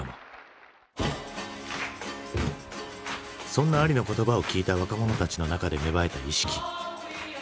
そんなアリの言葉を聞いた若者たちの中で芽生えた意識。